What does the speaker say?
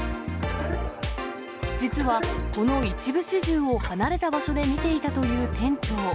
実は、この一部始終を離れた場所で見ていたという店長。